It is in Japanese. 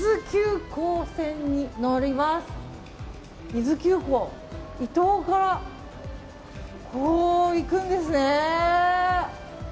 伊豆急行伊東からこう行くんですね。